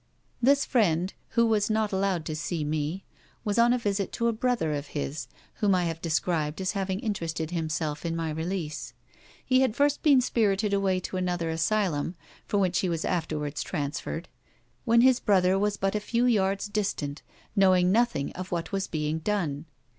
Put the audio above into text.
This friend, who was not allowed to see me, was on a visit to a brother of his, whom I have described as having interested himself in my release. He had first been spirited away to another asylum (from which he was afterwards transferred), when his brother was but a few yards distant, knowing nothing of what was being done.